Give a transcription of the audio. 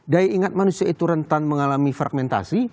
daya ingat manusia itu rentan mengalami fragmentasi